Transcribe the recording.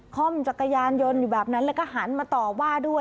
่อมจักรยานยนต์อยู่แบบนั้นแล้วก็หันมาต่อว่าด้วย